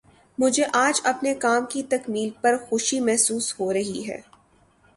مجھے آج اپنے کام کی تکمیل پر خوشی محسوس ہو رہی ہے